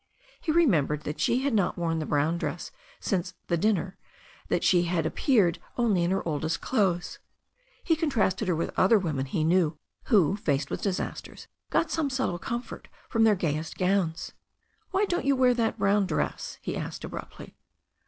He remembered that she had not worn the brown dress since the dinner, that she had appeared only in her oldest clothes. He con trasted her with other women he knew, who, faced with disasters, got some subtle comfort from their gayest gowns. "Why don't you wear that brown dress?" he asked abruptly.